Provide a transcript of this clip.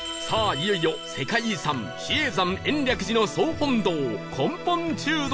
いよいよ世界遺産比叡山延暦寺の総本堂根本中堂へ